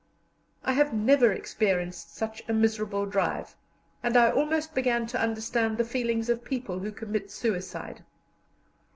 I have never experienced such a miserable drive, and I almost began to understand the feelings of people who commit suicide.